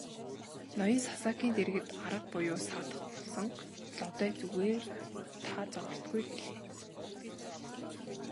Ноён Сасакийн дэргэд арга буюу саатах болсон Лодой "Зүгээр та зоволтгүй" гэлээ.